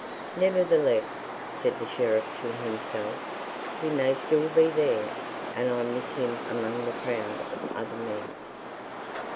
"Nevertheless," said the Sheriff to himself, "he may still be there, and I miss him among the crowd of other men.